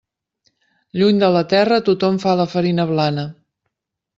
Lluny de la terra tothom fa la farina blana.